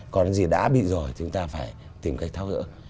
còn cái gì đã bị rồi thì chúng ta phải tìm cách thao dỡ